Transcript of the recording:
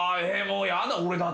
もうやだ。